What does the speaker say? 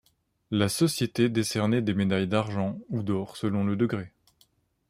La Société décernait des médailles d'argent, ou d'or selon le degré.